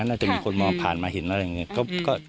น่าจะมีคนมองผ่านมาเห็นอะไรอย่างนี้